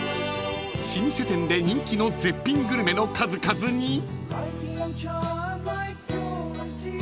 ［老舗店で人気の絶品グルメの数々に］